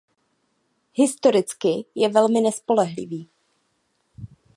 Historicky je velmi nespolehlivý.